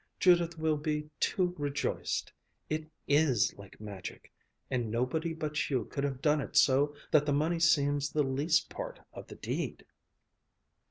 "Judith will be too rejoiced! It is like magic. And nobody but you could have done it so that the money seems the least part of the deed!"